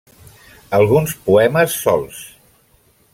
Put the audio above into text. Alguns poemes solts.